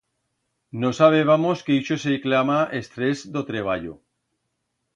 No sabébamos que ixo se clama estrés d'o treballo.